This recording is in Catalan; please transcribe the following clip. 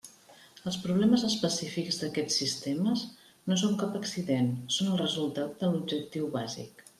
Els problemes específics d'aquests sistemes no són cap accident; són el resultat de l'objectiu bàsic.